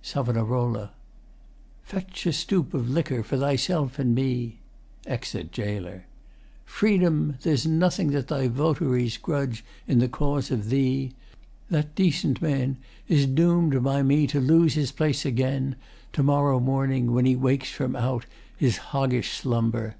SAV. Fetch A stoup o' liquor for thyself and me. [Exit GAOLER.] Freedom! there's nothing that thy votaries Grudge in the cause of thee. That decent man Is doom'd by me to lose his place again To morrow morning when he wakes from out His hoggish slumber.